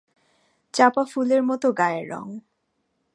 চাঁপা ফুলের মতো গায়ের রঙ।